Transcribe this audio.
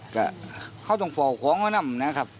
เขาต้องปล่อยของเขานั่นนะครับ